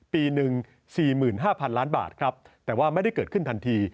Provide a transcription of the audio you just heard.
ปีหนึ่ง๔๕๐๐๐ล้านบาทครับแต่ว่าไม่ได้เกิดขึ้นทันที